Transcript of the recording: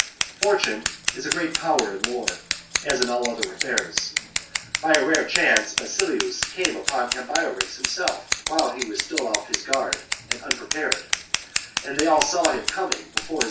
Fortune is a great power in war, as in all other affairs. By a rare chance Basilus came upon Ambiorix himself when he was still off his guard and unpre VI AMBIORIX 193 pared, and they all saw him coming before his 53 b.